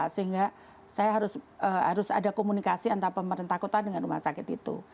sehingga saya harus ada komunikasi antara pemerintah kota dengan rumah sakit itu